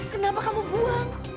kenapa kamu buang